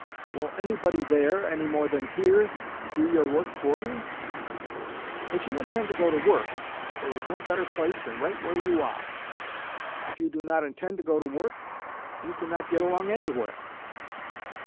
Will any body there, any more than here, do your work for you? If you intend to go to work, there is no better place than right where you are; if you do not intend to go to work, you can not get along anywhere.